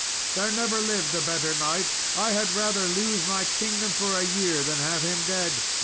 There never lived a better knight; I had rather lose my kingdom for a year than have him dead."